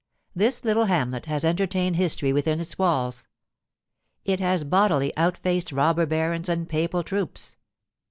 This little hamlet has entertained history within its walls. It has bodily outfaced robber barons and papal troops.